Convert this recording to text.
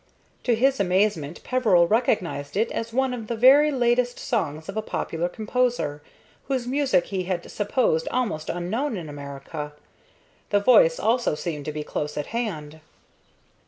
To his amazement Peveril recognized it as one of the very latest songs of a popular composer, whose music he had supposed almost unknown in America. The voice also seemed to be close at hand.